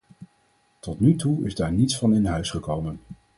Tot nu toe is daar niets van in huis gekomen.